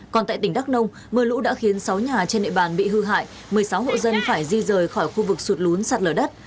còn tại tỉnh đắk nông mưa lũ đã khiến sáu nhà trên địa bàn bị hư hại một mươi sáu hộ dân phải di rời khỏi khu vực sụt lún sạt lở đất